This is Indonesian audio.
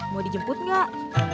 mau dijemput gak